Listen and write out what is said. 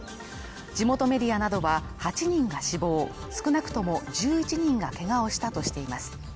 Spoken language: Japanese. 地元メディアなどは、８人が死亡少なくとも１１人がけがをしたとしています。